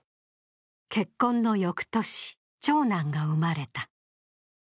結婚の翌年、長男が生まれた。